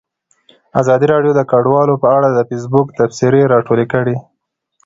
ازادي راډیو د کډوال په اړه د فیسبوک تبصرې راټولې کړي.